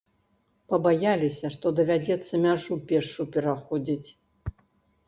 Пабаяліся, што давядзецца мяжу пешшу пераходзіць.